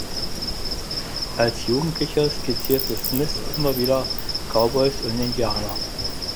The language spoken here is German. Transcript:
Als Jugendlicher skizzierte Smith immer wieder Cowboys und „Indianer“.